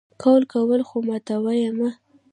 قول کوه خو ماتوه یې مه!